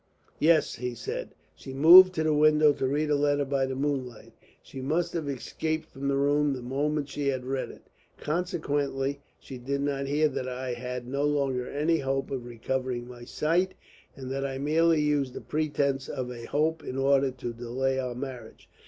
"Yes," he said, "she moved to the window to read a letter by the moonlight. She must have escaped from the room the moment she had read it. Consequently she did not hear that I had no longer any hope of recovering my sight, and that I merely used the pretence of a hope in order to delay our marriage.